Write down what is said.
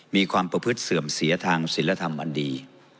มีความประพฤติเสื่อมเสียทางศิลธรรมอันดี